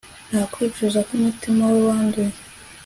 Nta kwicuza kumutima we wanduye